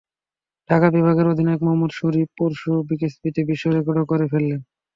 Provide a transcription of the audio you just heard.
ঢাকা বিভাগের অধিনায়ক মোহাম্মদ শরীফ পরশু বিকেএসপিতে বিশ্ব রেকর্ডই করে ফেললেন।